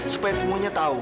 supaya semuanya tahu